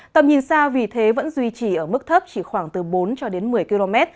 tầm nhìn xa vì thế vẫn duy trì ở mức thấp chỉ khoảng từ bốn cho đến một mươi km